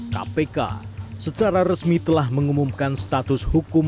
kpk secara resmi telah mengumumkan status hukum